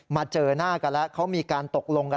เจอหน้ากันแล้วเขามีการตกลงกัน